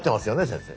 先生。